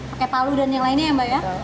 pakai palu dan yang lainnya ya mbak ya